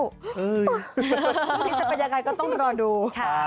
อันนี้จะเป็นยังไงก็ต้องรอดูค่ะ